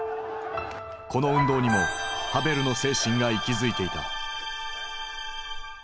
この運動にもハヴェルの精神が息づいていた。